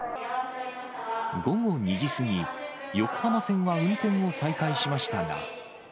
午後２時過ぎ、横浜線は運転を再開しましたが。